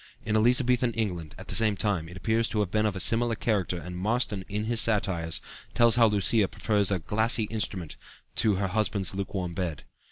In Elizabethan England, at the same time, it appears to have been of similar character and Marston in his satires tells how Lucea prefers "a glassy instrument" to "her husband's lukewarm bed."